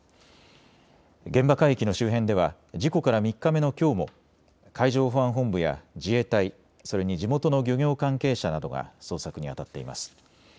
現場海域の周辺では事故から３日目のきょうも海上保安本部や自衛隊、それに地元の漁業関係者などが捜索にあたっています。